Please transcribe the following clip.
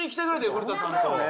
古田さんと。